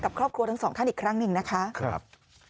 ครอบครัวทั้งสองท่านอีกครั้งหนึ่งนะคะครับ